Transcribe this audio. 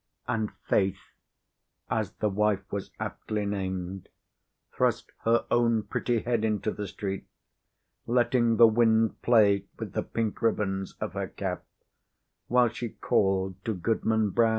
And Faith, as the wife was aptly named, thrust her own pretty head into the street, letting the wind play with the pink ribbons of her cap while she called to Goodman Brown.